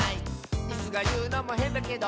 「イスがいうのもへんだけど」